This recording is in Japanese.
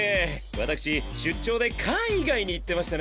私出張で海外に行ってましてね